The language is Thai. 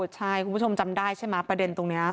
ใช่คุณผู้ชมจำได้ใช่ไหมประเด็นตรงนี้